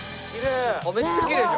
めっちゃきれいじゃん。